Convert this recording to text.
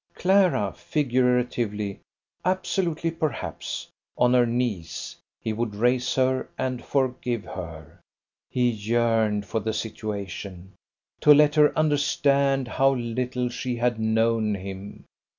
Clara figuratively, absolutely perhaps, on her knees, he would raise her and forgive her. He yearned for the situation. To let her understand how little she had known him!